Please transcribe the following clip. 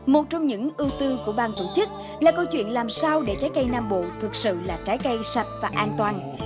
một trong những ưu tư của bang tổ chức là câu chuyện làm sao để trái cây nam bộ thực sự là trái cây sạch và an toàn